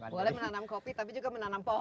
boleh menanam kopi tapi juga menanam pohon